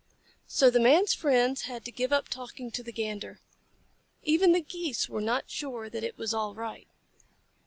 So the Man's friends had to give up talking to the Gander. Even the Geese were not sure that it was all right.